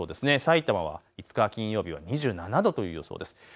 さいたまは５日金曜日は２７度という予想です。